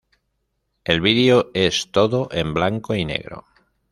El video es todo en blanco y negro.